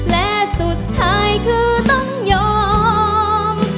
และสุดท้ายคือต้องยอม